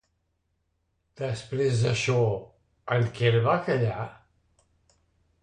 Després d'això, en Quel va callar?